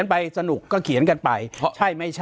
ปากกับภาคภูมิ